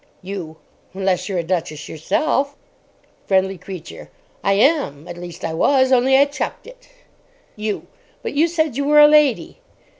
YOU. Unless you're a duchess yourself? FRIENDLY CREATURE. I am. At least I was. Only I chucked it. YOU. But you said you were a lady.